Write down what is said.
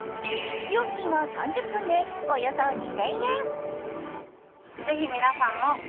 料金は３０分でおよそ２０００円。